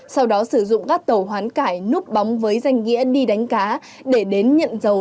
sau đó sử dụng các tàu hoán cải núp bóng với danh nghĩa đi đánh cá để đến nhận dầu